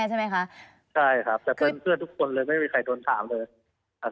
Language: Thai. ใช่ครับแต่เพื่อนทุกคนเลยไม่มีใครโดนถามเลย